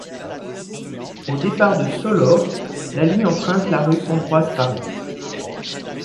Au départ de Solaure, la ligne emprunte la rue Ambroise-Paré.